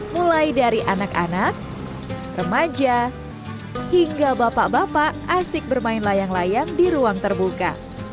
mulai dari anak anak remaja hingga bapak bapak asik bermain layang layang di ruang terbuka